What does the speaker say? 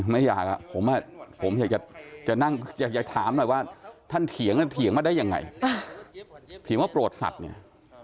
ไม่อยากครับผมอยากถามว่าท่านเถียงมาได้ยังไงเถียงว่าโปรดสัตว์เนี่ย